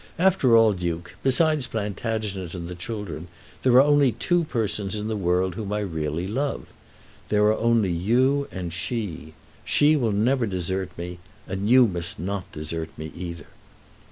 After all, Duke, besides Plantagenet and the children, there are only two persons in the world whom I really love. There are only you and she. She will never desert me; and you must not desert me either."